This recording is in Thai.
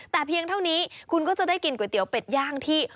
แต่เพียงเท่านี้คุณก็จะได้กินก๋วยเตี๋ยวเป็ดย่างที่